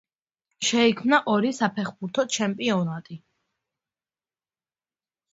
შეიქმნა ორი საფეხბურთო ჩემპიონატი.